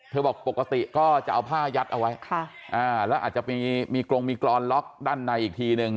บอกปกติก็จะเอาผ้ายัดเอาไว้แล้วอาจจะมีกรงมีกรอนล็อกด้านในอีกทีนึง